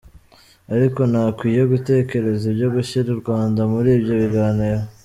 Ariko ntakwiye gutekereza ibyo gushyira u Rwanda muri ibyo biganiro.”